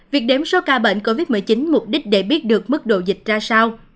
việc đếm số ca bệnh covid một mươi chín mục đích để biết được mức độ dịch ra sao